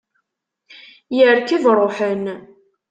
Yerkeb, ruḥen.